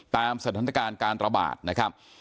ตามสถานการณ์การระบาดนะครับ